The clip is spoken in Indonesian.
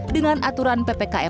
dengan aturan ppkm